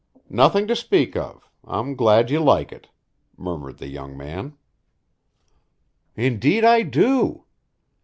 "Nothing to speak of. I'm glad you like it," murmured the young man. "Indeed I do!"